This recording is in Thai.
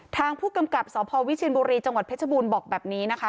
ทางผู้กำกับสพวิเชียนบุรีจังหวัดเพชรบูรณ์บอกแบบนี้นะคะ